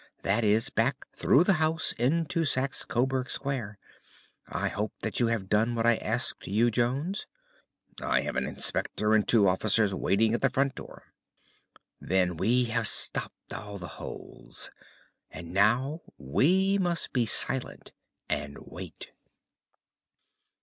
"That is back through the house into Saxe Coburg Square. I hope that you have done what I asked you, Jones?" "I have an inspector and two officers waiting at the front door." "Then we have stopped all the holes. And now we must be silent and wait."